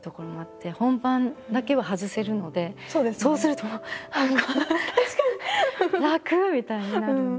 本番だけは外せるのでそうするともう「楽！」みたいになるんで。